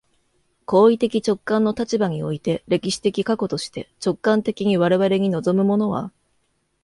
行為的直観の立場において、歴史的過去として、直観的に我々に臨むものは、